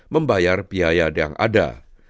membayar biaya yang ada